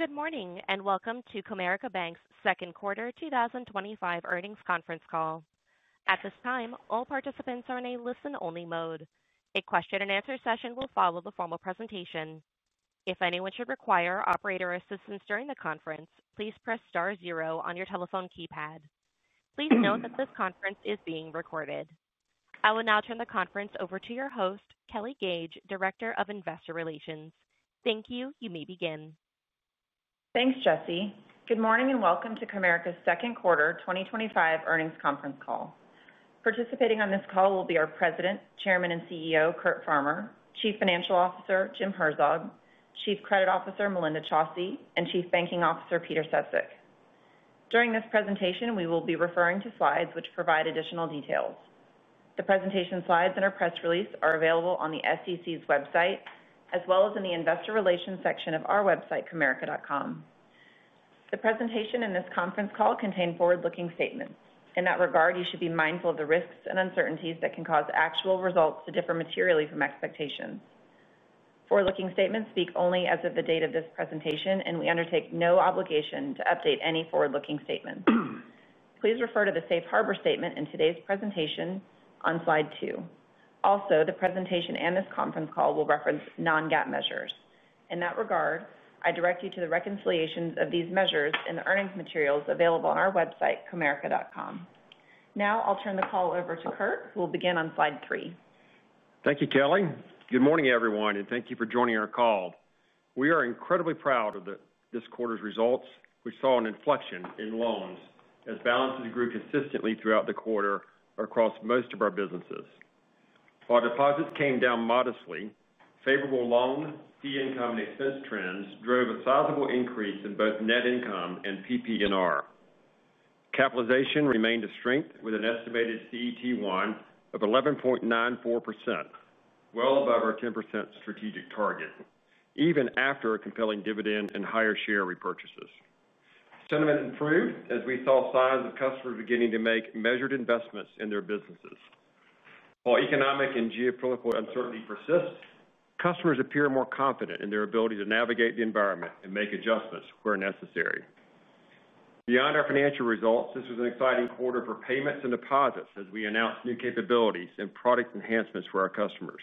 Good morning, and welcome to Comerica Bank's Second Quarter twenty twenty five Earnings Conference Call. At this time, all participants are in a listen only mode. A question and answer session will follow the formal presentation. Please note that this conference is being recorded. I will now turn the conference over to your host, Kelly Gage, Director of Investor Relations. Thank you. You may begin. Thanks, Jesse. Good morning, and welcome to Comerica's second quarter twenty twenty five earnings conference call. Participating on this call will be our President, Chairman and CEO, Curt Farmer Chief Financial Officer, Jim Herzog Chief Credit Officer, Melinda Chauci and Chief Banking Officer, Peter Suszik. During this presentation, we will be referring to slides which provide additional details. The presentation slides and our press release are available on the SEC's website as well as in the Investor Relations section of our website, comerica.com. The presentation and this conference call contain forward looking statements. In that regard, you should be mindful of the risks and uncertainties that can cause actual results to differ materially from expectations. Forward looking statements speak only as of the date of this presentation, and we undertake no obligation to update any forward looking statements. Please refer to the Safe Harbor statement in today's presentation on slide two. Also, the presentation and this conference call will reference non GAAP measures. In that regard, I direct you to the reconciliations of these measures in the earnings materials available on our website, comerica.com. Now, I'll turn the call over to Kurt, who will begin on slide three. Thank you, Kelly. Good morning, and thank you for joining our call. We are incredibly proud of this quarter's results. We saw an inflection in loans as balances grew consistently throughout the quarter across most of our businesses. While deposits came down modestly, favorable loan fee income and expense trends drove a sizable increase in both net income and PPNR. Capitalization remained a strength with an estimated CET1 of 11.94%, well above our 10% strategic target even after a compelling dividend and higher share repurchases. Sentiment improved as we saw signs of customers beginning to make measured investments in their businesses. While economic and geopolitical uncertainty persists, customers appear more confident in their ability to navigate the environment and make adjustments where necessary. Beyond our financial results, this was an exciting quarter for payments and deposits as we announced new capabilities and product enhancements for our customers.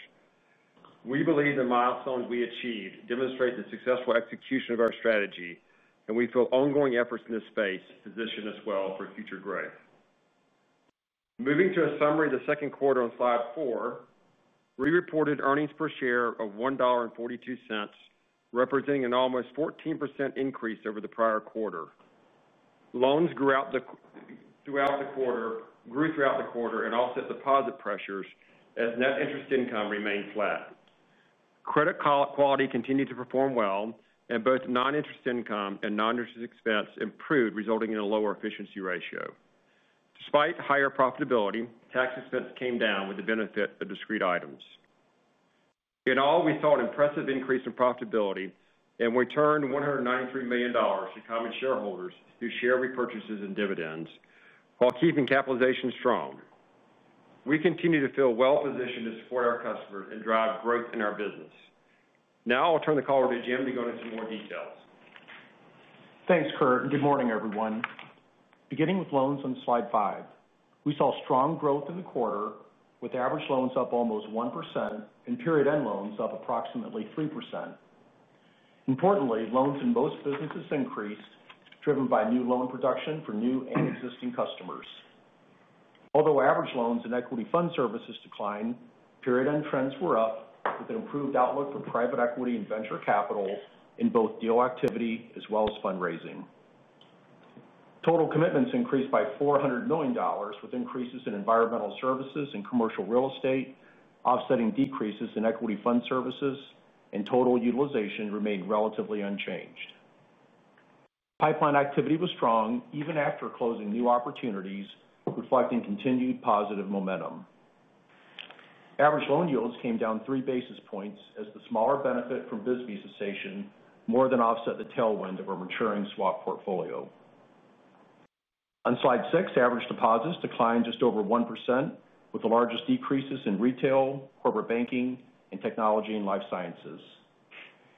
We believe the milestones we achieved demonstrate the successful execution of our strategy and we feel ongoing efforts in this space position us well for future growth. Moving to a summary of the second quarter on slide four. We reported earnings per share of $1.42 representing an almost 14% increase over the prior quarter. Loans grew throughout the quarter and offset deposit pressures as net interest income remained flat. Credit quality continued to perform well and both interest income and non interest expense improved resulting in a lower efficiency ratio. Despite higher profitability, tax expense came down with the benefit of discrete items. In all, we saw an impressive increase in profitability and we turned $193,000,000 to common shareholders through share repurchases and dividends, while keeping capitalization strong. We continue to feel well positioned to support our customers and drive growth in our business. Now, I'll turn the call over to Jim to go into some more details. Thanks Kurt and good morning everyone. Beginning with loans on slide five, we saw strong growth in the quarter with average loans up almost 1% and period end loans up approximately 3%. Importantly, loans in most businesses increased driven by new loan production for new and existing customers. Although average loans and equity fund services declined period end trends were up with an improved outlook for private equity and venture capital in both deal activity as well as fundraising. Total commitments increased by $400,000,000 with increases in environmental services and commercial real estate offsetting decreases in equity fund services and total utilization remained relatively unchanged. Pipeline activity was strong even after closing new opportunities reflecting continued positive momentum. Average loan yields came down three basis points as the smaller benefit from BISB cessation more than offset the tailwind of our maturing swap portfolio. On slide six, average deposits declined just over 1% with the largest decreases in retail, corporate banking and technology and life sciences.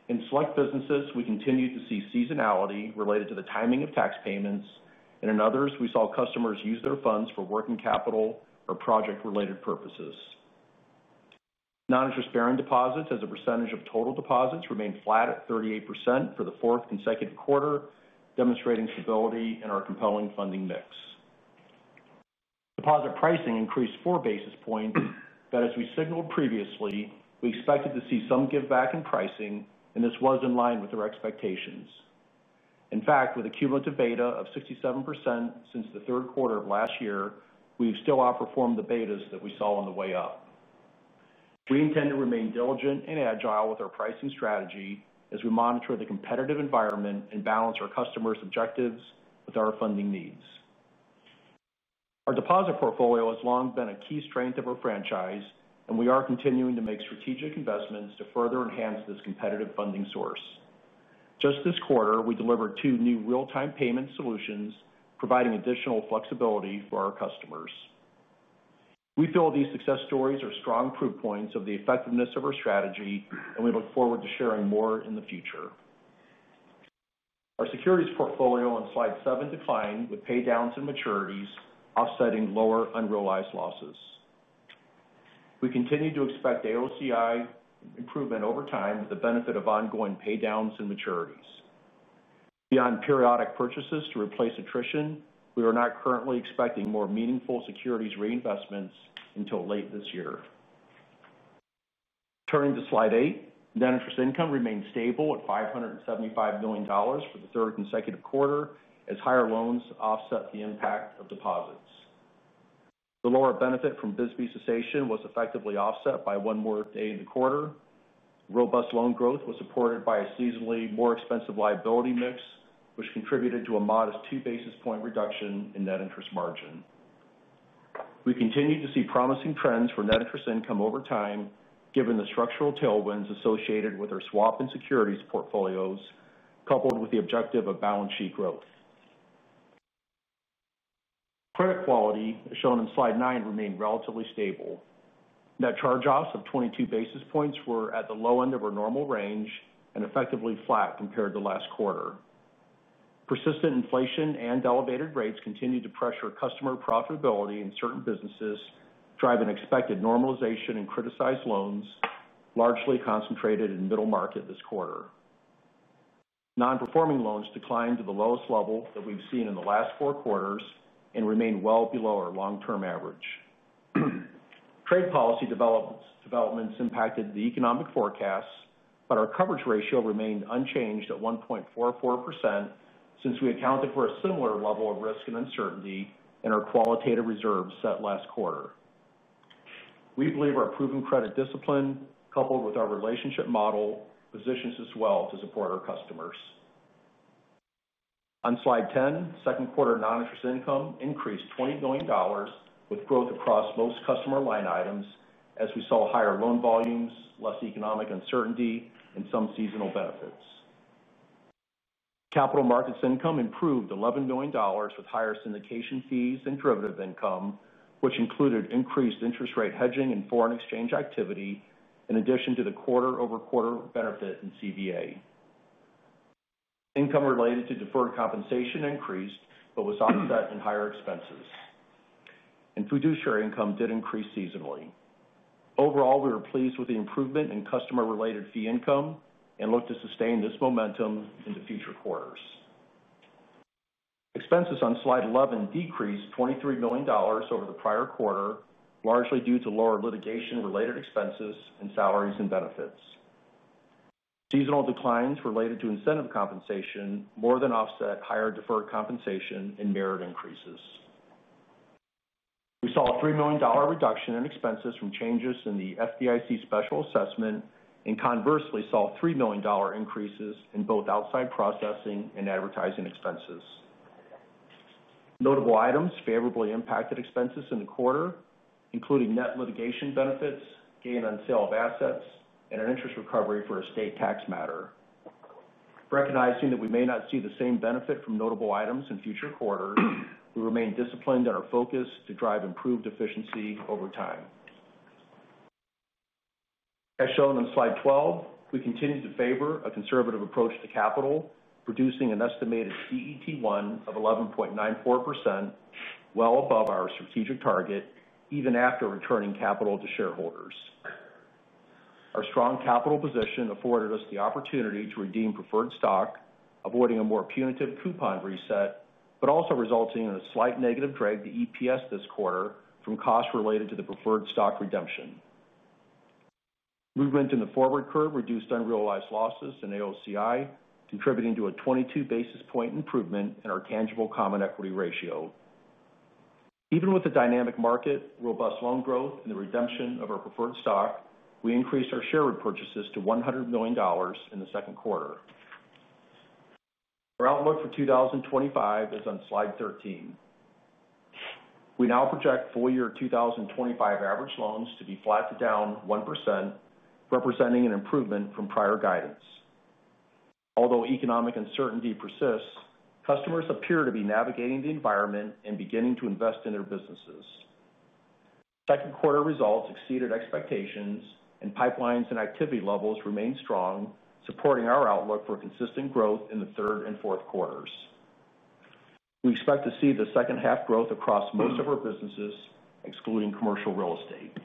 In select businesses, we continue to see seasonality related to the timing of tax payments and in others we saw customers use their funds for working capital or project related purposes. Non interest bearing deposits as a percentage of total deposits remained flat at 38% for the fourth consecutive quarter demonstrating stability in our compelling funding mix. Deposit pricing increased four basis points but as we signaled previously, we expected to see some give back in pricing and this was in line with our expectations. In fact, with a cumulative beta of 67% since the third quarter of last year, we've still outperformed the betas that we saw on the way up. We intend to remain diligent and agile with our pricing strategy as we monitor the competitive environment and balance our customers' objectives with our funding needs. Our deposit portfolio has long been a key strength of our franchise and we are continuing to make strategic investments to further enhance this competitive funding source. Just this quarter, we delivered two new real time payment solutions providing additional flexibility for our customers. We feel these success stories are strong proof points of the effectiveness of our strategy and we look forward to sharing more in the future. Our securities portfolio on Slide seven declined with paydowns and maturities offsetting lower unrealized losses. We continue to expect AOCI improvement over time with the benefit of ongoing pay downs and maturities. Beyond periodic purchases to replace attrition, we are not currently expecting more meaningful securities reinvestments until late this year. Turning to Slide eight, net interest income remained stable at $575,000,000 for the third consecutive quarter as higher loans offset the impact of deposits. The lower benefit from Bisbee cessation was effectively offset by one more day in the quarter. Robust loan growth was supported by a seasonally more expensive liability mix, which contributed to a modest two basis point reduction in net interest margin. We continue to see promising trends for net interest income over time given the structural tailwinds associated with our swap and securities portfolios coupled with the objective of balance sheet growth. Credit quality as shown on slide nine remained relatively stable. Net charge offs of 22 basis points were at the low end of our normal range and effectively flat compared to last quarter. Persistent inflation and elevated rates continue to pressure customer profitability in certain businesses driving expected normalization in criticized loans largely concentrated in middle market this quarter. Non performing loans declined to the lowest level that we've seen in the last four quarters and remain well below our long term average. Trade policy developments impacted the economic forecast, but our coverage ratio remained unchanged at 1.44% since we accounted for a similar level of risk and uncertainty in our qualitative reserves set last quarter. We believe our proven credit discipline coupled with our relationship model positions us well to support our customers. On slide ten, second quarter non interest income increased $20,000,000 with growth across most customer line items as we saw higher loan volumes, less economic uncertainty and some seasonal benefits. Capital markets income improved $11,000,000 with higher syndication fees and derivative income, which included increased interest rate hedging and foreign exchange activity in addition to the quarter over quarter benefit in CVA. Income related to deferred compensation increased but was offset in higher expenses. And fiduciary income did increase seasonally. Overall, we are pleased with the improvement in customer related fee income and look to sustain this momentum in the future quarters. Expenses on slide 11 decreased $23,000,000 over the prior quarter largely due to lower litigation related expenses and salaries and benefits. Seasonal declines related to incentive compensation more than offset higher deferred compensation and merit increases. We saw a $3,000,000 reduction in expenses from changes in the FDIC special assessment and conversely saw $3,000,000 increases in both outside processing and advertising expenses. Notable items favorably impacted expenses in the quarter, including net litigation benefits, gain on sale of assets and an interest recovery for a state tax matter. Recognizing that we may not see the same benefit from notable items in future quarters, we remain disciplined in our focus to drive improved efficiency over time. As shown on slide 12, we continue to favor a conservative approach to capital producing an estimated CET1 of 11.94% well above our strategic target even after returning capital to shareholders. Our strong capital position afforded us the opportunity to redeem preferred stock avoiding a more punitive coupon reset, but also resulting in a slight negative drag to EPS this quarter from costs related to the preferred stock redemption. We went in the forward curve reduced unrealized losses in AOCI contributing to a 22 basis point improvement in our tangible common equity ratio. Even with the dynamic market, robust loan growth and the redemption of our preferred stock, we increased our share repurchases to $100,000,000 in the second quarter. Our outlook for 2025 is on Slide 13. We now project full year 2025 average loans to be flat to down 1% representing an improvement from prior guidance. Although economic uncertainty persists, customers appear to be navigating the environment and beginning to invest in their businesses. Second quarter results exceeded expectations and pipelines and activity levels remain supporting our outlook for consistent growth in the third and fourth quarters. We expect to see the second half growth across most of our businesses excluding commercial real estate.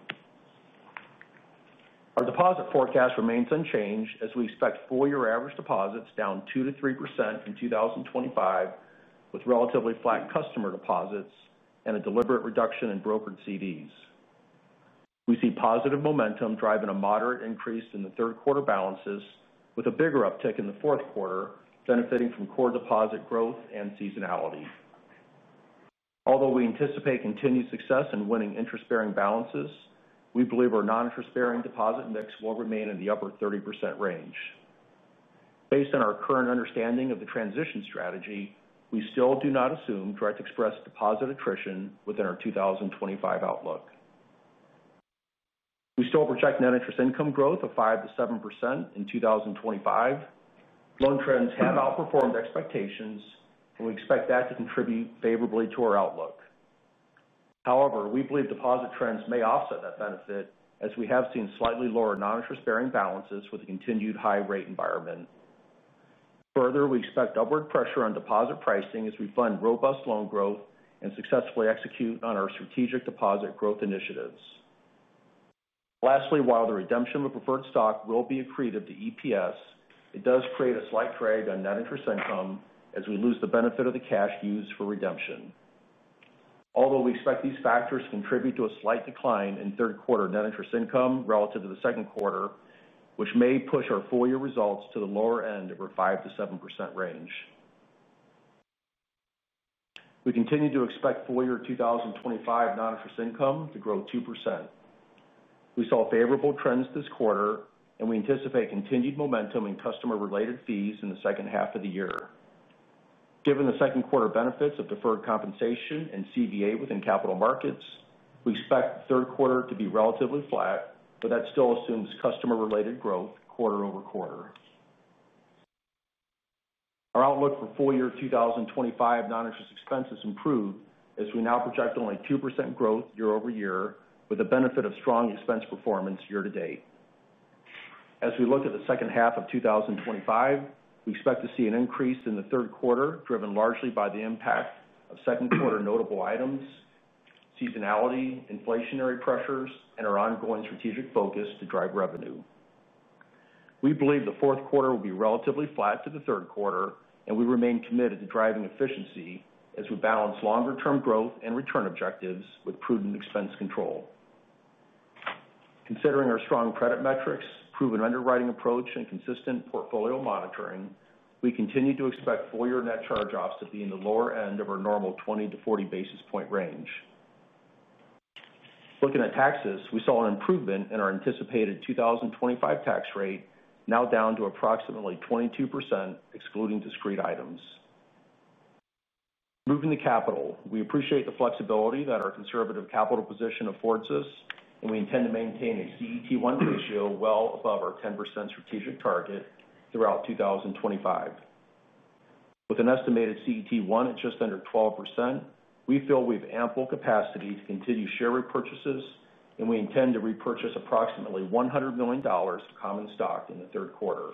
Our deposit forecast remains unchanged as we expect full year average deposits down 2% to 3% in 2025 with relatively flat customer deposits and a deliberate reduction in brokered CDs. We see positive momentum driving a moderate increase in the third quarter balances with a bigger uptick in the fourth quarter benefiting from core deposit growth and seasonality. Although we anticipate continued success in winning interest bearing balances, we believe our non interest bearing deposit mix will remain in the upper 30% range. Based on our current understanding of the transition strategy, we still do not assume direct express deposit attrition within our 2025 outlook. We still project net interest income growth of 5% to 7% in 2025. Loan trends have outperformed expectations and we expect that to contribute favorably to our outlook. However, we believe deposit trends may offset benefit as we have seen slightly lower non interest bearing balances with the continued high rate environment. Further, we expect upward pressure on deposit pricing as we fund robust loan growth and successfully execute on our strategic deposit growth initiatives. Lastly, while the redemption of preferred stock will be accretive to EPS, it does create a slight drag on net interest income as we lose the benefit of the cash used for redemption. Although we expect these factors contribute to a slight decline in third quarter net interest income relative to the second quarter, which may push our full year results to the lower end of our 5% to 7% range. We continue to expect full year 2025 non interest income to grow 2%. We saw favorable trends this quarter and we anticipate continued momentum in customer related fees in the second half of the year. Given the second quarter benefits of deferred compensation and CVA within capital markets, We expect third quarter to be relatively flat, but that still assumes customer related growth quarter over quarter. Our outlook for full year 2025 non interest expenses improved as we now project only 2% growth year over year with the benefit of strong expense performance year to date. As we look at the second half of twenty twenty five, we expect to see an increase in the third quarter driven largely by the impact of second quarter notable items, seasonality, inflationary pressures and our ongoing strategic focus to drive revenue. We believe the fourth quarter will be relatively flat to the third quarter and we remain committed to driving efficiency as we balance longer term growth and return objectives with prudent expense control. Considering our strong credit metrics, proven underwriting approach and consistent portfolio monitoring, we continue to expect full year net charge offs to be in the lower end of our normal 20 to 40 basis point range. Looking at taxes, we saw an improvement in our anticipated 2025 tax rate now down to approximately 20 excluding discrete items. Moving to capital, we appreciate the flexibility that our conservative capital position affords us and we intend to maintain a CET1 ratio well above our 10% strategic target throughout 2025. With an estimated CET1 at just under 12%, we feel we have ample capacity to continue share repurchases and we intend to repurchase approximately $100,000,000 of common stock in the third quarter.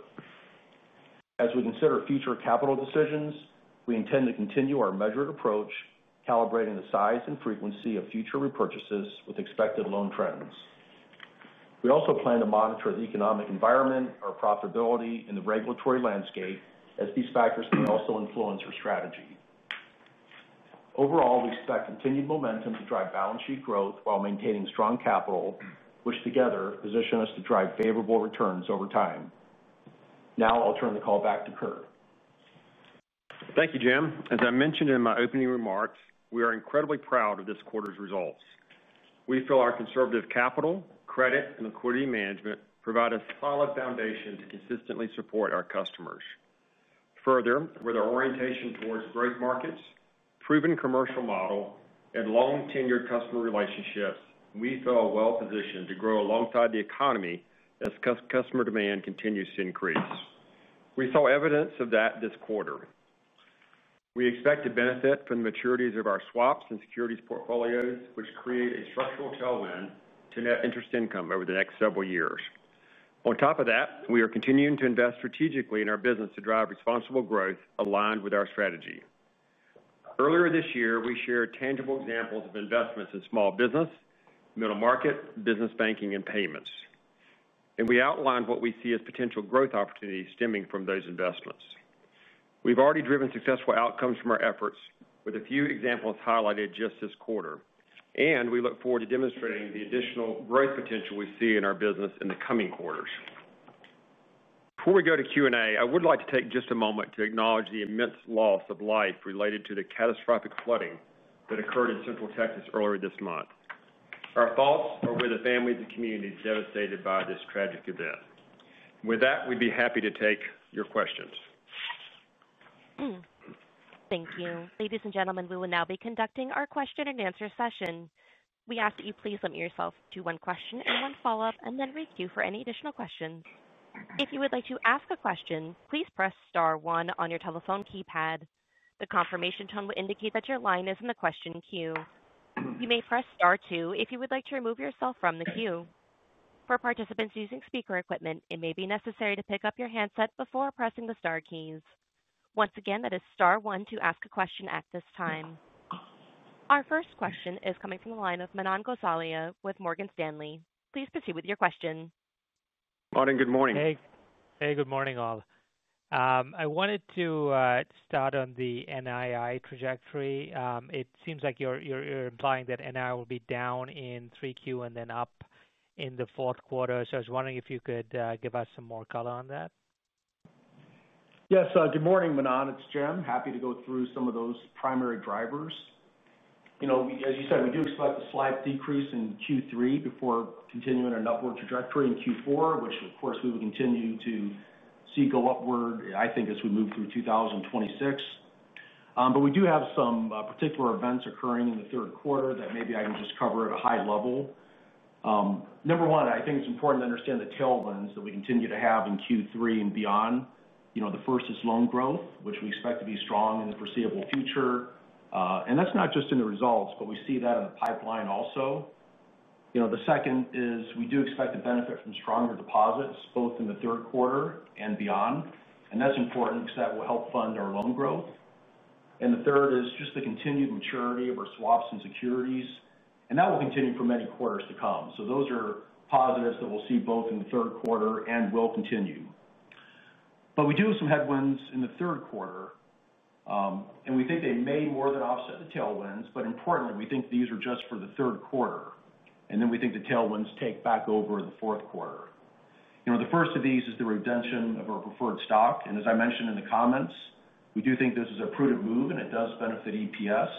As we consider future capital decisions, we intend to continue our measured approach calibrating the size and frequency of future repurchases with expected loan trends. We also plan to monitor the economic environment, our profitability and the regulatory landscape as these factors may also influence our strategy. Overall, we expect continued momentum to drive balance sheet growth while maintaining strong capital, which together position us to drive favorable returns over time. Now I'll turn the call back to Curt. Thank you, Jim. As I mentioned in my opening remarks, we are incredibly proud of this quarter's results. We feel our conservative capital, credit and liquidity management provide a solid foundation to consistently support our customers. Further, with our orientation towards growth markets, proven commercial model and long tenured customer relationships, we feel well positioned to grow alongside the economy as customer demand continues to increase. We saw evidence of that this quarter. We expect to benefit from maturities of our swaps and securities portfolios, which create a structural tailwind to net interest income over the next several years. On top of that, we are continuing to invest strategically in our business to drive responsible growth aligned with our strategy. Earlier this year, we shared tangible examples of investments in small business, middle market, business banking and payments. And we outlined what we see as potential growth opportunities stemming from those investments. We've already driven successful outcomes from our efforts with a few examples highlighted just this quarter. And we look forward to demonstrating the additional growth potential we see in our business in the coming quarters. Before we go to Q and A, I would like to take just a moment to acknowledge the immense loss of life related to the catastrophic flooding that occurred in Central Texas earlier this month. Our thoughts are with the families and communities devastated by this tragic event. With that, we'd be happy to take your questions. Thank you. Ladies and gentlemen, we will now be conducting our question and answer session. Our first question is coming from the line of Manon Gosalia with Morgan Stanley. Please proceed with your question. Good morning. Good morning. Hey, good morning all. I wanted to start on the NII trajectory. It seems like you're implying that NII will be down in 3Q and then up in the fourth quarter. So I was wondering if you could give us some more color on that? Yes. Good morning, Manon. It's Jim. Happy to go through some of those primary drivers. As you said, we do expect a slight decrease in Q3 before continuing an upward trajectory in Q4, which of course we will continue to see go upward, I think as we move through 2026. But we do have some particular events occurring in the third quarter that maybe I can just cover at a high level. Number one, I think it's important to understand the tailwinds that we continue to have in Q3 and beyond. The first is loan growth, which we expect to be strong in the foreseeable future. And that's not just in the results, but we see that in the pipeline also. The second is we do expect to benefit from stronger deposits both in the third quarter and beyond. And that's important because that will help fund our loan growth. And the third is just the continued maturity of our swaps and securities and that will continue for many quarters to come. So those are positives that we'll see both in the third quarter and will continue. But we do have some headwinds in the third quarter and we think they may more than offset the tailwinds, but importantly, we think these are just for the third quarter And then we think the tailwinds take back over the fourth quarter. The first of these is the redemption of our preferred stock. And as I mentioned in the comments, we do think this is a prudent move and it does benefit EPS,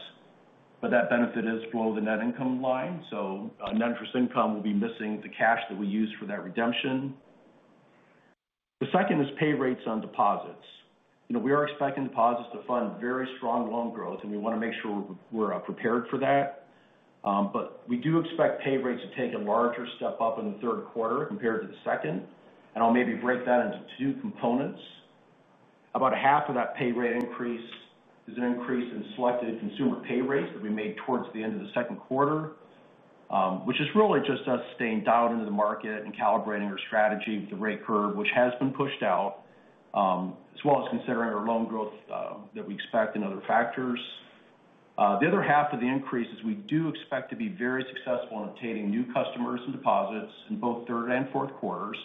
but that benefit is below the net income line. So net interest income will be missing the cash that we use for that redemption. The second is pay rates on deposits. We are expecting deposits to fund very strong loan growth and we want to make sure we're prepared for that. But we do expect pay rates to take a larger step up in the third quarter compared to the second. And I'll maybe break that into two components. About half of that pay rate increase is an increase in selected consumer pay rates that we made towards the end of second quarter, which is really just us staying dialed into the market and calibrating our strategy with the rate curve, which has been pushed out as well as considering our loan growth that we expect and other factors. The other half of the increase is we do expect to be very successful in obtaining new customers and deposits in both third and fourth quarters.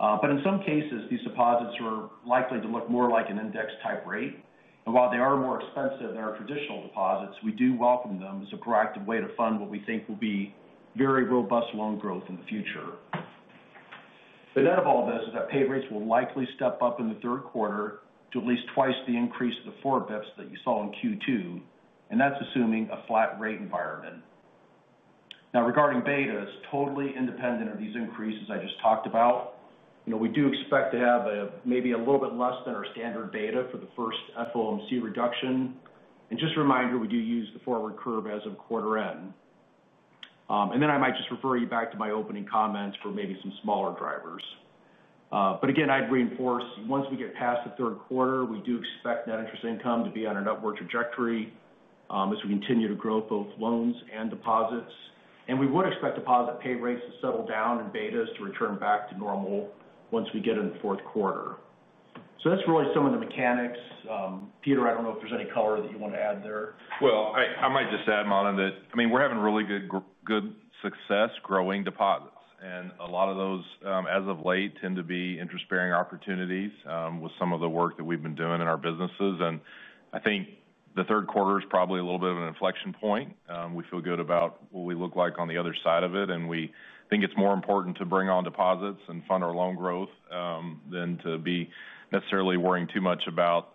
But in some cases, these deposits are likely to look more like an index type rate. While they are more expensive than our traditional deposits, we do welcome them as a proactive way to fund what we think will be very robust loan growth in the future. The net of all this is that pay rates will likely step up in the third quarter to at least twice the increase of the four bps that you saw in Q2 and that's assuming a flat rate environment. Now regarding betas, totally independent of these increases I just talked about, we do expect to have maybe a little bit less than our standard data for the first FOMC reduction. And just a reminder, we do use the forward curve as of quarter end. And then I might just refer you back to my opening comments for maybe some smaller drivers. But again, I'd reinforce once we get past the third quarter, we do expect net interest income to be on an upward trajectory as we continue to grow both loans and deposits. And we would expect deposit pay rates to settle down and betas to return back to normal once we get in the fourth quarter. So that's really some of the mechanics. Peter, I don't know if there's any color that you want to add there. Well, I might just add, Madam, that I mean, we're having really good success growing deposits. And a lot of those as of late tend to be interest bearing opportunities with some of the work that we've been doing in our businesses. And I think the third quarter is probably a little bit of an inflection point. We feel good about what we look like on the other side of it. And we think it's more important to bring on deposits and fund our loan growth than to be necessarily worrying too much about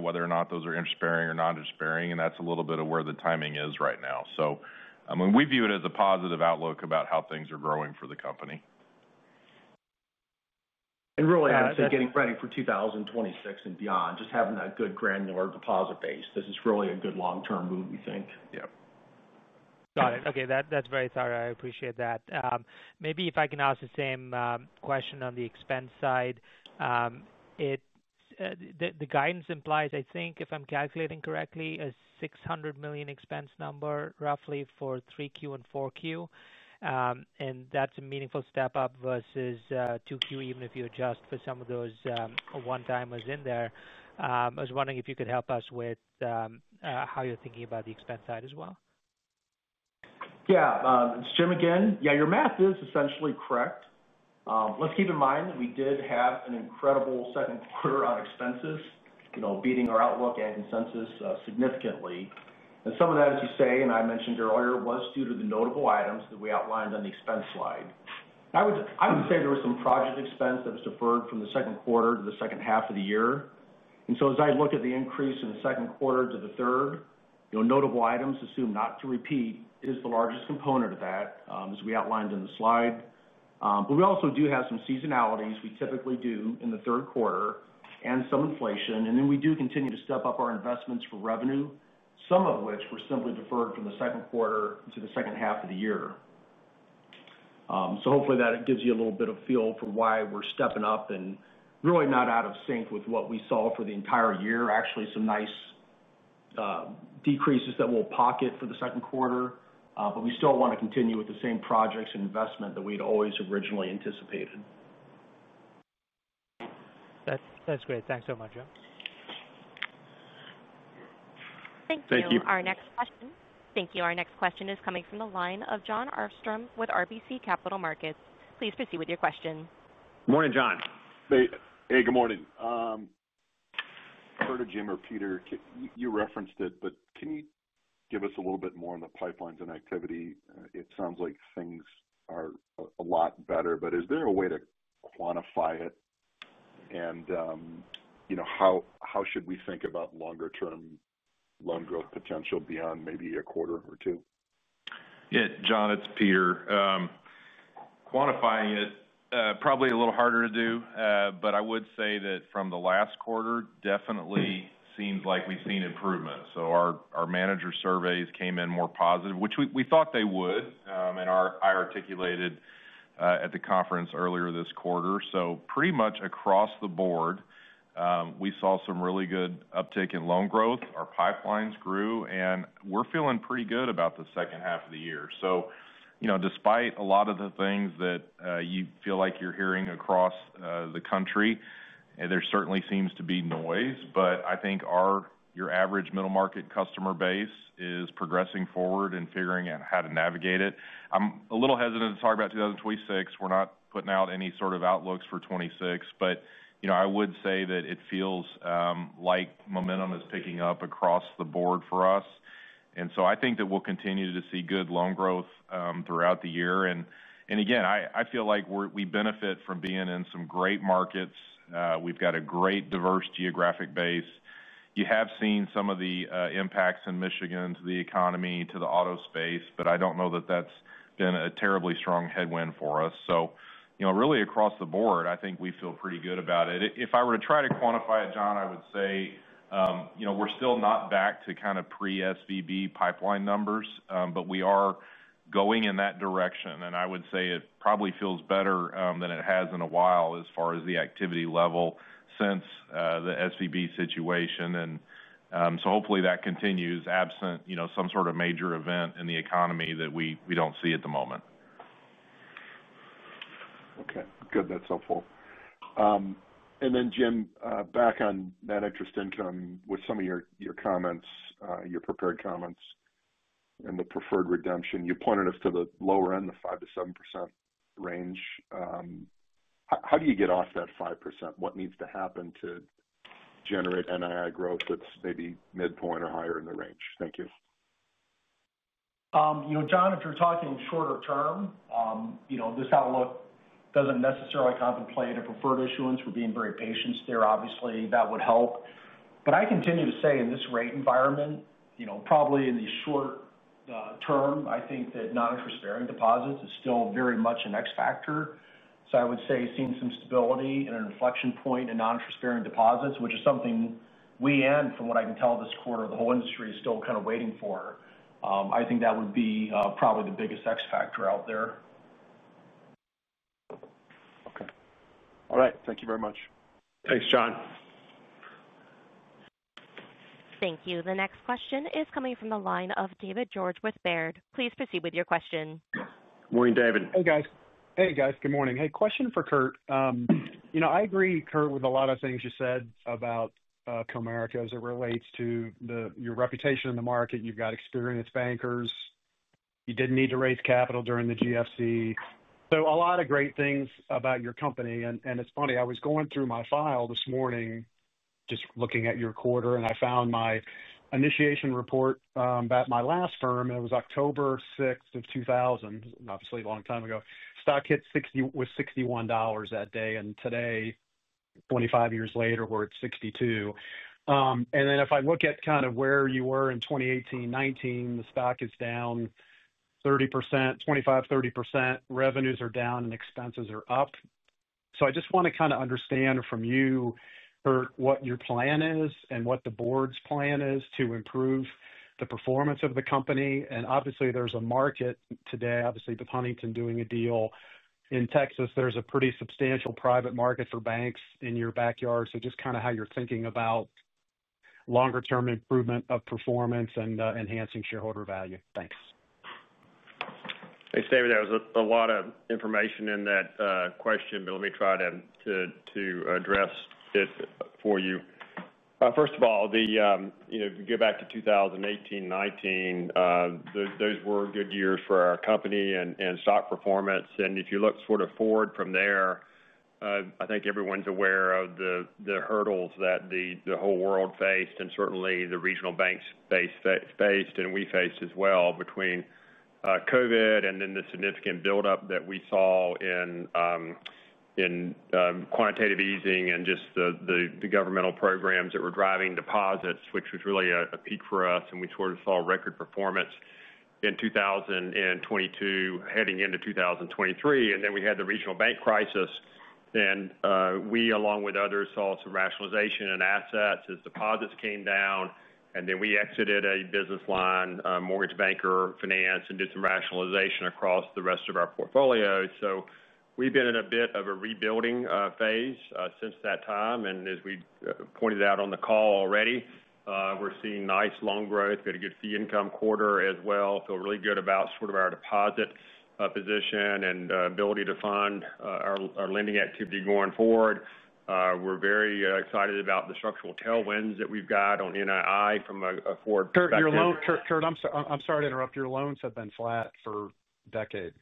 whether or not those are interest bearing or non interest bearing. And that's a little bit of where the timing is right now. So I mean, we view it as a positive outlook about how things are growing for the company. And really, I'd say, getting ready for 2026 and beyond, just having that good granular deposit base. This is really a good long term move, we think. Got it. Okay. That's very thorough. I appreciate that. Maybe if I can ask the same question on the expense side. The guidance implies, I think, if I'm calculating correctly, a $600,000,000 expense number roughly for 3Q and 4Q. And that's a meaningful step up versus 2Q even if you adjust for some of those one timers in there. I was wondering if you could help us with how you're thinking about the expense side as well? Yes. It's Jim again. Yes, your math is essentially correct. Let's keep in mind that we did have an incredible second quarter on expenses, beating our outlook at consensus significantly. And some of that, as you say, and I mentioned earlier, was due to the notable items that we outlined on the expense slide. I would say there were some project expense that was deferred from the second quarter to the second half of the year. So as I look at the increase in the second quarter to the third, notable items assumed not to repeat, it is the largest component of that as we outlined in the slide. But we also do have some seasonalities we typically do in the third quarter and some inflation. And then we do continue to step up our investments for revenue, some of which were simply deferred from the second quarter to the second half of the year. So hopefully that gives you a little bit of feel for why we're stepping up and really not out of sync with what we saw for the entire year, actually some nice decreases that we'll pocket for the second quarter. But we still want to continue with the same projects and investment that we'd always originally anticipated. That's great. Thanks so much. You. Our next question is coming from the line of Jon Arfstrom with RBC Capital Markets. Please proceed with your question. Good morning, Jon. Hey, good morning. I heard Jim or Peter, you referenced it, but can you give us a little bit more on the pipelines and activity? It sounds like things are a lot better, but is there a way to quantify it? And how should we think about longer term loan growth potential beyond maybe a quarter or two? Yes, John, it's Peter. Quantifying it, probably a little harder to do, but I would say that from the last quarter definitely seems like we've seen improvement. So our manager surveys came in more positive, which we thought they would. And I articulated at the conference earlier this quarter. So pretty much across the board, we saw some really good uptick in loan growth. Our pipelines grew and we're feeling pretty good about the second half of the year. Despite a lot of the things that you feel like you're hearing across the country, there certainly seems to be noise. But I think our your average middle market customer base is progressing forward and figuring out how to navigate it. I'm a little hesitant to talk about 2026. We're not putting out any sort of outlooks for 2026. But I would say that it feels like momentum is picking up across the board for us. And so I think that we'll continue to see good loan growth throughout the year. And again, I feel like we benefit from being in some great markets. We've got a great diverse geographic base. You have seen some of the impacts in Michigan to the economy to the auto space, but I don't know that that's been a terribly strong headwind for us. So really across the board, I think we feel pretty good about it. If I were to try to quantify it John, I would say, we're still not back to kind of pre SVB pipeline numbers, but we are going in that direction. And I would say it probably feels better than it has in a while as far as the activity level since the SVB situation. And so hopefully that continues absent some sort of major event in the economy that we don't see at the moment. Okay. Good. That's helpful. And then Jim back on net interest income with some of your comments your prepared comments and the preferred redemption, you pointed us to the lower end of 5% to 7% range. How do you get off that 5%? What needs to happen to generate NII growth that's maybe midpoint or higher in the range? Thank John, if you're talking shorter term, this outlook doesn't necessarily contemplate a preferred issuance. We're being very patient there. Obviously, that would help. But I continue to say in this rate environment, probably in the short term, I think that non interest bearing deposits is still very much an X factor. So I would say seeing some stability and an inflection point in non interest bearing deposits, which is something we and from what I can tell this quarter, the whole industry is still kind of waiting for. I think that would be probably the biggest X factor out there. All right. Thank you very much. Thanks, John. Thank you. The next question is coming from the line of David George with Baird. Please proceed with your question. Good morning, David. Hey, guys. Hey, guys. Good morning. Hey, question for Kurt. I agree, Kurt, with a lot of things you said about Comerica as it relates to your reputation in the market. You've got experienced bankers. You didn't need to raise capital during the GFC. So a lot of great things about your company. And it's funny, I was going through my file this morning just looking at your quarter, and I found my initiation report, about my last firm, and it was October 6, obviously, a long time ago. Stock hit 60 was $61 that day. And today, twenty five years later, we're at $62 And then if I look at kind of where you were in 2018, 2019, the stock is down 3025%, 30%. Revenues are down and expenses are up. I just want to kind of understand from you what your plan is and what the Board's plan is to improve the performance of the company. And obviously, there's a market today, obviously, with Huntington doing a deal. In Texas there's a pretty substantial private market for banks in your backyard. So just kind of how you're thinking about longer term improvement of performance and enhancing shareholder value? Thanks. Hey, David. That was a lot of information in that question, but let me try to address it for you. First of all, the if you go back to 2018, 2019, those were good years for our company and stock performance. And if you look sort of forward from there, I think everyone's aware of the hurdles that the whole world faced and certainly the regional banks faced and we faced as well between COVID and then the significant buildup that we saw in quantitative easing and just the governmental programs that were driving deposits, was really a peak for us and we sort of saw record performance in 2022 heading into 2023. And then we had the regional bank crisis. Then we along with others saw some rationalization in assets as deposits came down. And then we exited a business line mortgage banker finance and did some rationalization across the rest of our portfolio. So we've been in a bit of a rebuilding phase since that time. And as we pointed out on the call already, we're seeing nice loan growth, got a good fee income quarter as well. Feel really good about sort of our deposit position and ability to fund our lending activity going forward. We're very excited about the structural tailwinds that we've got on NII from a forward Curt, I'm sorry to interrupt. Your loans have been flat for a decade.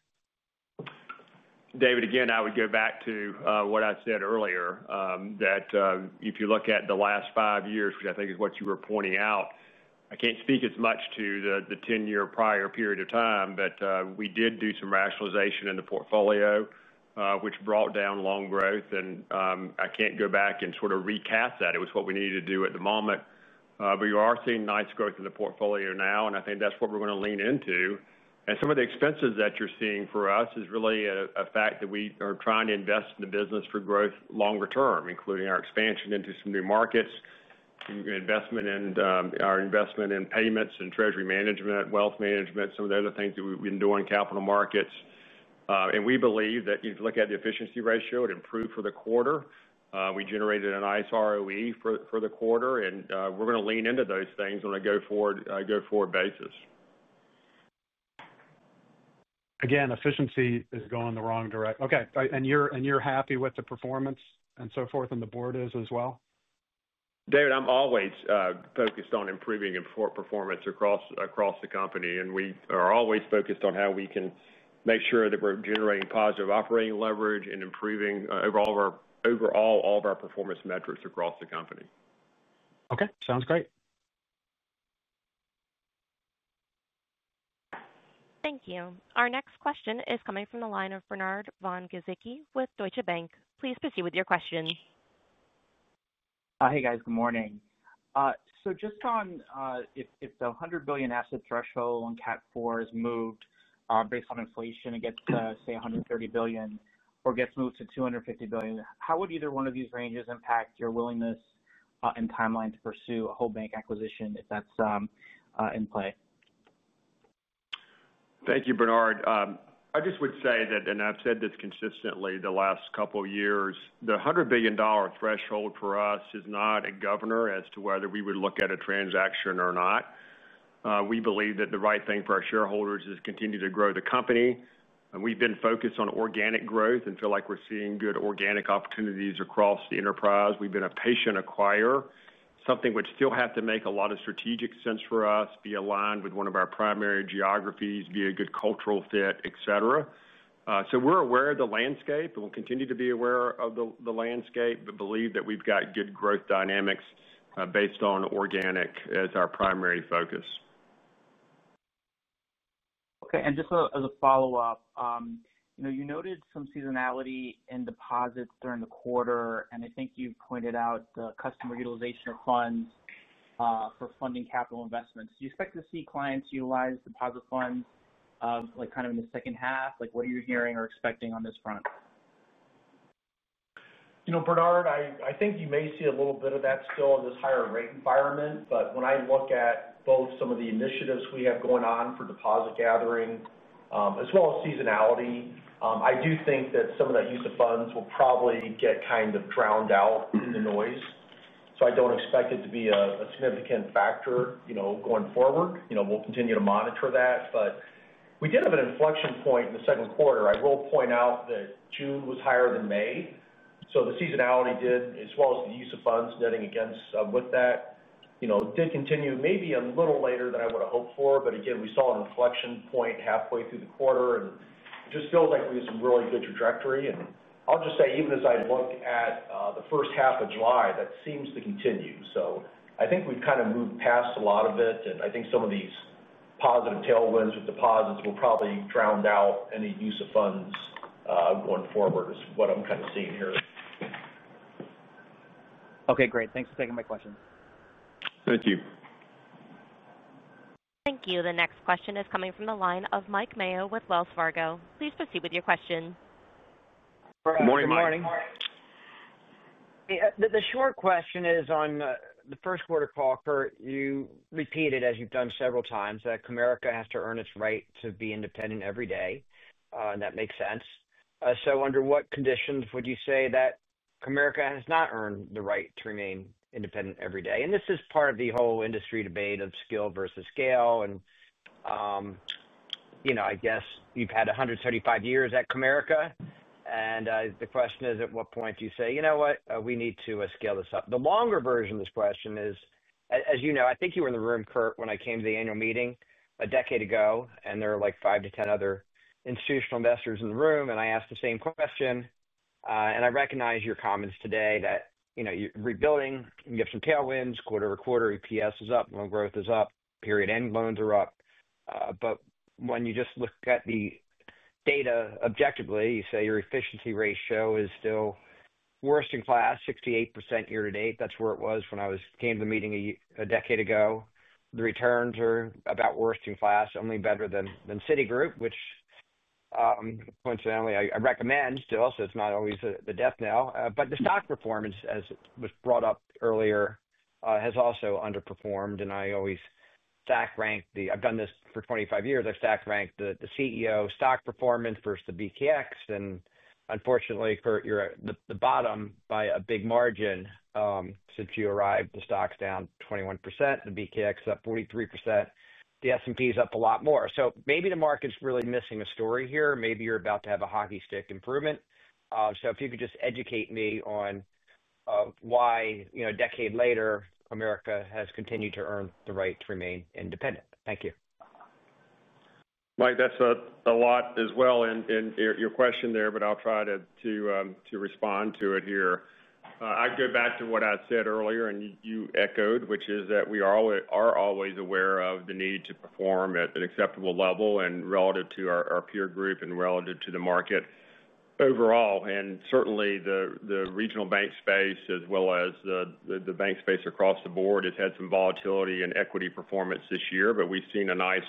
David, again, I would go back to what I said earlier that if you look at the last five years, which I think is what you were pointing out, I can't speak as much to the ten year prior period of time, but we did do some rationalization in the portfolio, which brought down loan growth. And I can't go back and sort of recap that. It was what we needed to do at the moment. But you are seeing nice growth in the portfolio now and I think that's what we're going to lean into. And some of the expenses that you're seeing for us is really a fact that we are trying to invest in the business for growth longer term including our expansion into some new markets, investment in our investment in payments and treasury management, wealth management, some of the other things that we've been doing in capital markets. And we believe that if you look at the efficiency ratio, it improved for the quarter. We generated a nice ROE for the quarter and we're going to lean into those things on a go forward basis. Again efficiency is going the wrong direction. Okay. And you're happy with the performance and so forth and the Board is as well? David, I'm always focused on improving performance across the company. And we are always focused on how we can make sure that we're generating positive operating leverage and improving overall all of our performance metrics across the company. Okay. Sounds great. Thank you. Our next question is coming from the line of Bernard Von Gazzicchi with Deutsche Bank. Please proceed with your question. Hey guys, good morning. So just on if the $100,000,000,000 asset threshold on Cat four is moved based on inflation and gets to say $130,000,000,000 or gets moved to $250,000,000,000 how would either one of these ranges impact your willingness and timeline to pursue a whole bank acquisition if that's in play? Thank you, Bernard. I just would say that and I've said this consistently the last couple of years, the 100,000,000,000 threshold for us is not a governor as to whether we would look at a transaction or not. We believe that the right thing for our shareholders is continue to grow the company. And we've been focused on organic growth and feel like we're seeing good organic opportunities across the enterprise. We've been a patient acquirer, something which still have to make a lot of strategic sense for us, be aligned with one of our primary geographies, a good cultural fit, etcetera. So we're aware of the landscape and we'll continue to be aware of the landscape, but believe that we've got good growth dynamics based on organic as our primary focus. Okay. And just as a follow-up, you noted some seasonality in deposits during the quarter and I think you've pointed out customer utilization of funds for funding capital investments. Do you expect to see clients utilize deposit funds like kind of in the second half, like what you're hearing or expecting on this front? Bernard, I think you may see a little bit of that still in this higher rate environment. But when I look at both some of the initiatives we have going on for deposit gathering, as well as seasonality, I do think that some of that use of funds will probably get kind of drowned out in the noise. So I don't expect it to be a significant factor going forward. We'll continue to monitor that. But we did have an inflection point in the second quarter. I will point out that June was higher than May. So the seasonality did as well as the use of funds netting against with that did continue maybe a little later than I would have hoped for. But again, we saw an inflection point halfway through the quarter and just feels like we have some really good trajectory. And I'll just say even as I look at the July, that seems to continue. So I think we've kind of moved past a lot of it. And I think some of these positive tailwinds with deposits will probably drowned out any use of funds going forward is what I'm kind of seeing here. Okay, great. Thanks for taking my question. Thank you. Thank you. The next question is coming from the line of Mike Mayo with Wells Fargo. Please proceed with your question. Good morning, Mike. Good morning. The short question is on the first quarter call, Curt, you repeated as you've done several times that Comerica has to earn its right to be independent every day and that makes sense. So under what conditions would you say that Comerica has not earned the right to remain independent every day? And this is part of the whole industry debate of skill versus scale. And I guess you've had one hundred and thirty five years at Comerica. And the question is at what point do you say, you know what, we need to scale this up. The longer version of this question is, as you know, think you were in the room, Curt, when I came to the annual meeting a decade ago and there are like five to 10 other institutional investors in the room and I asked the same question. And I recognize your comments today that you're rebuilding, you have some tailwinds quarter over quarter EPS is up, loan growth is up, period end loans are up. But when you just look at the data objectively, you say your efficiency ratio is still worst in class 68% year to date. That's where it was when I was came to the meeting a decade ago. The returns are about worst in class only better than Citigroup, which coincidentally I recommend still also it's not always the death knell, but the stock performance as was brought up earlier has also underperformed and I always stack rank the I've done this for twenty five years, I stack rank the CEO stock performance versus the BTX and unfortunately for the bottom by a big margin since you arrived the stock's down 21%, the BTX up 43%, the S and P is up a lot more. So maybe the market is really missing a story here, maybe you're about to have a hockey stick improvement. So if you could just educate me on why a decade later America has continued to earn the right to remain independent? Thank you. Mike, that's a lot as well in your question there, but I'll try to respond to it here. I'd go back to what I said earlier and you echoed, which is that we are always aware of the need to perform at an acceptable level and relative to our peer group and relative to the market overall. And certainly the regional bank space as well as the bank space across the board has had some volatility in equity performance this year, but we've seen a nice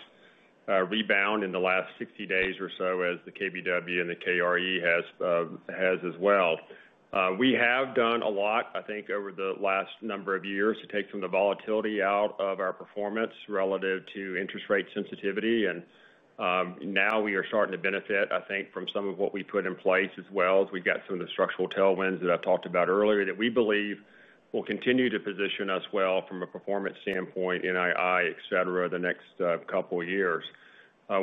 rebound in the last sixty days or so as the KBW and the KRE has as well. We have done a lot I think over the last number of years to take some of the volatility out of our performance relative to interest rate sensitivity. And now we are starting to benefit I think from some of what we put in place as well as we've got some of the structural tailwinds that I talked about earlier that we believe will continue to position us well from a performance standpoint NII etcetera the next couple of years.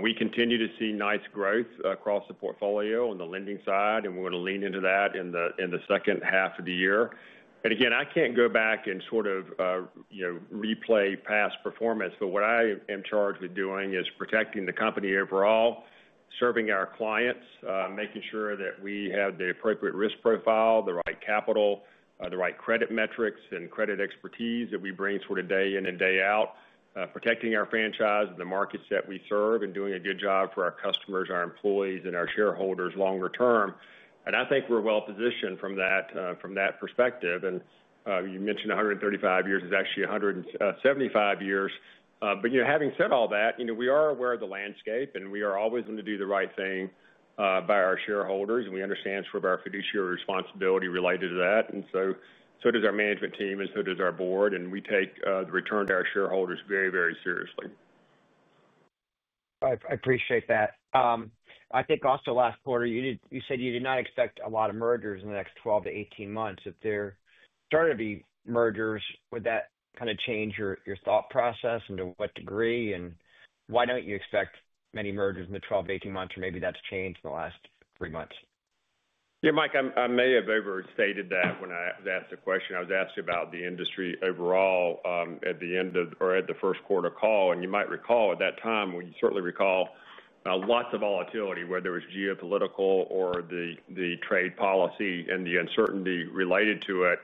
We continue to see nice growth across the portfolio on the lending side and we're going lean into that in the second half of the year. And again, I can't go back and sort of replay past performance. But what I am charged with doing is protecting the company overall, serving our clients, making sure that we have the appropriate risk profile, the right capital, the right credit metrics and credit expertise that we bring sort of day in and day out, protecting our franchise, the markets that we serve and doing a good job for our customers, our employees and our shareholders longer term. And I think we're well positioned from that perspective. And you mentioned one hundred and thirty five years is actually one hundred and seventy five years. But having said all that, we are aware of the landscape and we are always going to do the right thing by our shareholders. And we understand responsibility related to that. And so does our management team and so does our Board and we take the return to our shareholders very, very seriously. I appreciate that. I think also last quarter you said you did not expect a lot of mergers in the next twelve to eighteen months. If they're starting to be mergers, would that kind of change your thought process and to what degree? And why don't you expect many mergers in the twelve to eighteen months or maybe that's changed in the last three months? Yes. Mike, I may have overstated that when I asked the question. I was asked about the industry overall at the end of or at the first quarter call. And you might recall at that time when you certainly recall lots of volatility whether it's geopolitical or the trade policy and the uncertainty related to it.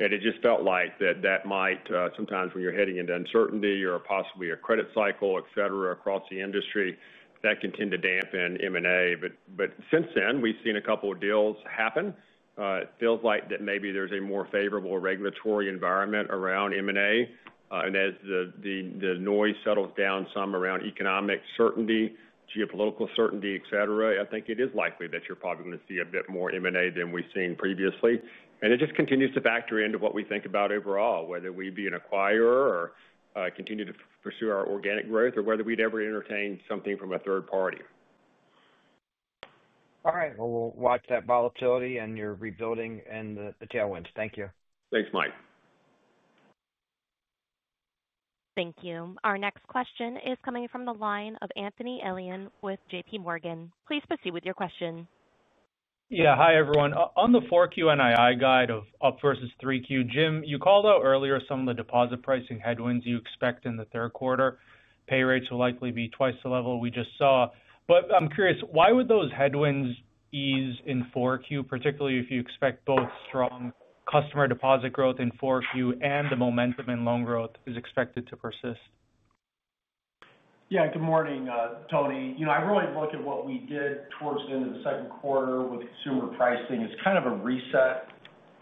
And it just felt like that that might sometimes when you're heading into uncertainty or possibly a credit cycle etcetera across the industry that can tend to dampen M and A. But since then we've seen a couple of deals happen. It feels like that maybe there's a more favorable regulatory environment around M and A. And as the noise settles down some around economic certainty, geopolitical certainty, etcetera, I think it is likely that you're probably going to see a bit more M and A than we've seen previously. And it just continues to factor into what we think about overall, whether we'd be an acquirer or continue to pursue our organic growth or whether we'd ever entertain something from a third party. All right. We'll watch that volatility and your rebuilding and the tailwinds. Thank you. Thanks Mike. Thank you. Our next question is coming from the line of Anthony Elion with JPMorgan. Please proceed with your question. Yes. Hi, everyone. On the 4Q NII guide of up versus 3Q, Jim, you called out earlier some of the deposit pricing headwinds you expect in the third quarter. Pay rates will likely be twice the level we just saw. But I'm curious why would those headwinds ease in 4Q, particularly if you expect both strong customer deposit growth in 4Q and the momentum in loan growth is expected to persist? Yes. Good morning, Tony. I really look at what we did towards the end of the second quarter with consumer pricing. It's kind of a reset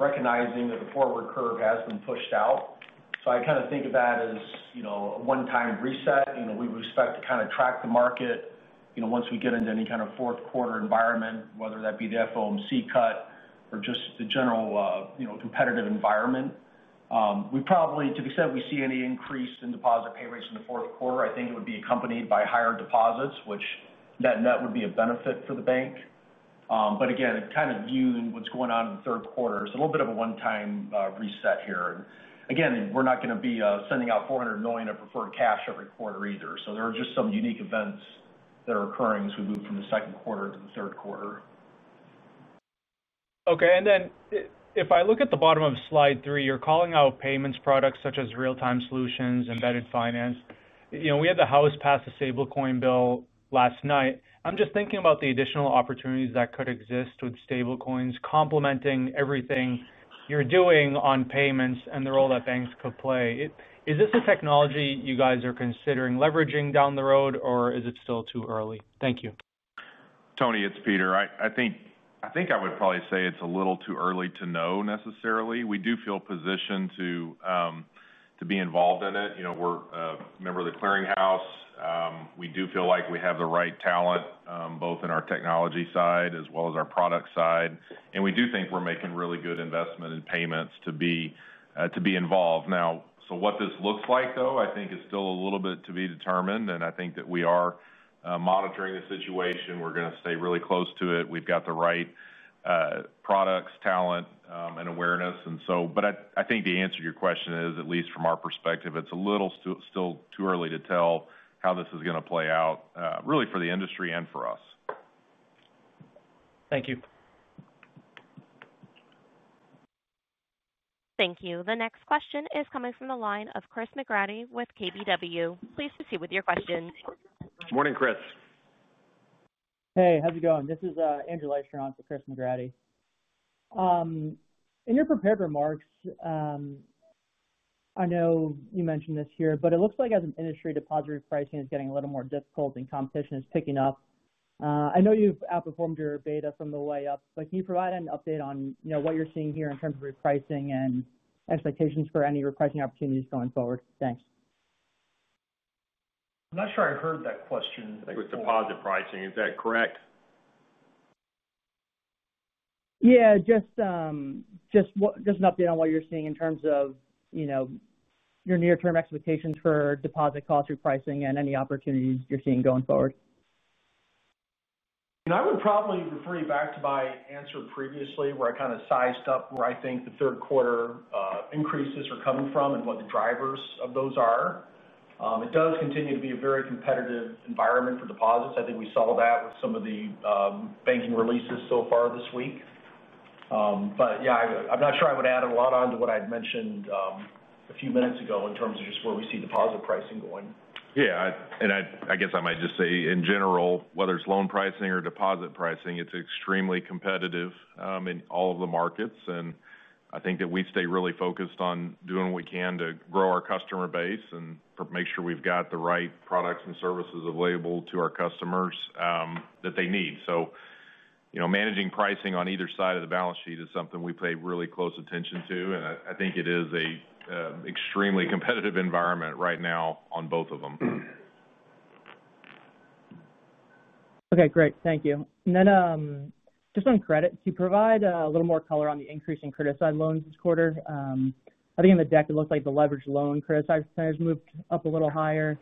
recognizing that the forward curve has been pushed out. So I kind of think of that as onetime reset. We would expect to kind of track the market once we get into any kind of fourth quarter environment, whether that be the FOMC cut or just the general competitive environment. We probably to be said, we see any increase in deposit pay rates in the fourth quarter, think it would be accompanied by higher deposits, which net net would be a benefit for the bank. But again, it kind of view what's going on in the third quarter. It's a little bit of a onetime reset here. Again, we're not going to be sending out $400,000,000 of preferred cash every quarter either. So there are just some unique events that are occurring as we move from the second quarter to the third quarter. Okay. And then if I look at the bottom of Slide three, you're calling out payments products such as real time solutions, embedded finance. We had the house passed the stablecoin bill last night. I'm just thinking about the additional opportunities that could exist with stablecoins complementing everything you're doing on payments and the role that banks could play. Is this a technology you guys are considering leveraging down the road? Or is it still too early? Thank you. Tony, it's Peter. I think I would probably say it's a little too early to know necessarily. We do feel positioned to be involved in it. We're a member of the clearinghouse. We do feel like we have the right talent both in our technology side as well as our product side. And we do think we're making really good investment in payments to be involved now. So what this looks like though, I think is still a little bit to be determined. And I think that we are monitoring the situation. We're going to stay really close to it. We've got the right products, talent and awareness. And so but I think the answer to your question is at least from our perspective, it's a little still too early to tell how this is going to play out really for the industry and for us. Thank you. Thank you. The next question is coming from the line of Chris McGratty with KBW. Please proceed with your question. Good morning, Chris. Hey, how's it going? This is Angela Eichter on for Chris McGratty. In your prepared remarks, I know you mentioned this here, but it looks like as an industry, deposit repricing is getting a little more difficult and competition is picking up. I know you've outperformed your beta from the way up, but can you provide an update on what you're seeing here in terms of repricing and expectations for any repricing opportunities going forward? Thanks. I'm not sure I heard that question. It was deposit pricing. Is that correct? Yes. Just an update on what you're seeing in terms of your near term expectations for deposit cost repricing and any opportunities you're seeing going forward? I would probably refer you back to my answer previously where I kind of sized up where I think the third quarter increases are coming from and what the drivers of those are. It does continue to be a very competitive environment for deposits. I think we saw that with some of the banking releases so far this week. But yes, I'm not sure I would add a lot on to what I had mentioned a few minutes ago in terms of just where we see deposit pricing going. Yes. And I guess I might just say in general, whether it's loan pricing or deposit pricing, it's extremely competitive in all of the markets. And I think that we stay really focused on doing what we can to grow our customer base and make sure we've got the right products and services available to our customers that they need. So managing pricing on either side of the balance sheet is something we pay really close attention to. And I think it is a extremely competitive environment right now on both of them. Okay, great. Thank you. And then just on credit, you provide a little more color on the increase in criticized loans this quarter? I think in the deck, it looks like the leverage loan criticized has up a little higher.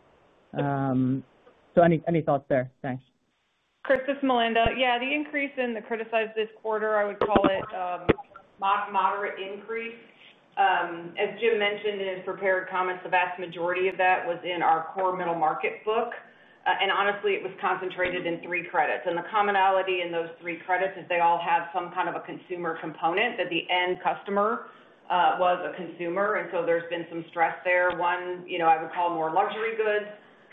So any thoughts there? Thanks. Chris, this is Melinda. Yes, the increase in the criticized this quarter, I would call it moderate increase. As Jim mentioned in his prepared comments, the vast majority of that was in our core middle market book. And honestly, it was concentrated in three credits. And the commonality in those three credits is they all have some kind of a consumer component that the end customer was a consumer. And so there's been some stress there. One, I would call more luxury goods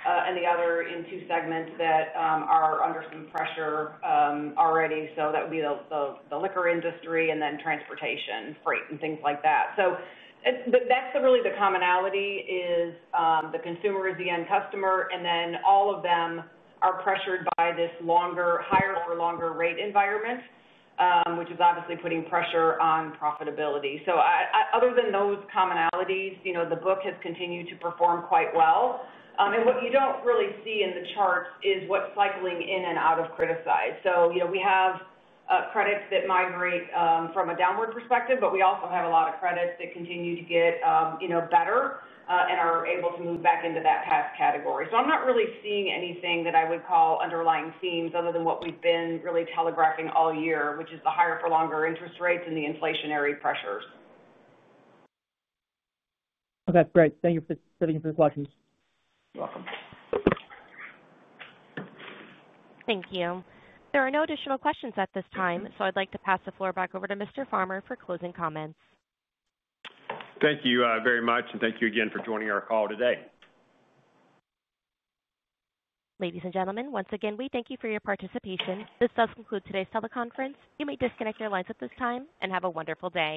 and the other in two segments that are under some pressure already so that we the liquor industry and then transportation, freight and things like that. So that's really the commonality is the consumer is the end customer and then all of them are pressured by this longer higher or longer rate environment, which is obviously putting pressure on profitability. So other than those commonalities, the book has continued to perform quite well. And what you don't really see in the chart is what's cycling in and out of criticized. So, you know, we have, credits that migrate, from a downward perspective, but we also have a lot of credits that continue to get, you know, better, and are able to move back into that past category. So I'm not really seeing anything that I would call underlying themes other than what we've been really telegraphing all year, which is the higher for longer interest rates and the inflationary pressures. Okay, great. Thank you for taking the questions. You're welcome. Thank you. There are no additional questions at this time. So I'd like to pass the floor back over to Mr. Farmer for closing comments. Thank you very much, and thank you again for joining our call today. Ladies and gentlemen, once again, we thank you for your participation. This does conclude today's teleconference. You may disconnect your lines at this time, and have a wonderful day.